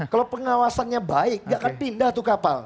kalau pengawasannya baik gak akan pindah tuh kapal